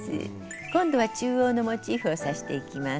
今度は中央のモチーフを刺していきます。